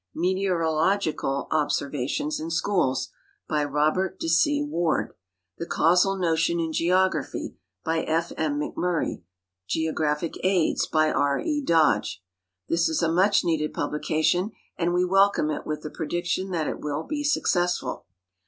" .Meteonilogical Observations in Schools," by Robert DeC!. Ward; "The Causal Notion in Geography," by F. INI. McMurry; "Geographic .\iils," by R. K. Dodge. This is a mucli necded publication, and we welcome it with the pre diction that it will be successful.